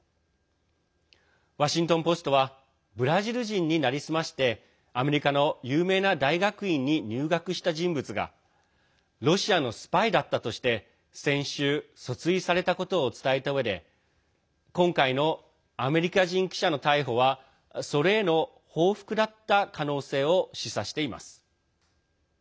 ワシントン・ポストはブラジル人に成り済ましてアメリカの有名な大学院に入学した人物がロシアのスパイだったとして先週訴追されたことを伝えたうえで今回のアメリカ人記者の逮捕はそれへの報復だった可能性を示唆しています。